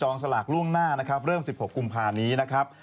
จองสลากร่วงหน้าเริ่ม๑๖กุมภาคเลยครับ